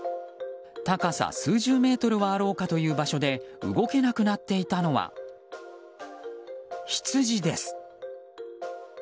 高さ数十メートルはあろうかという場所で動けなくなっていたのは羊です。